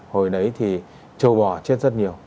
hồi nấy thì châu bò chết rất nhiều